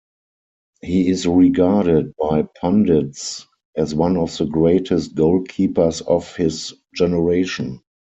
He is regarded by pundits as one of the greatest goalkeepers of his generation.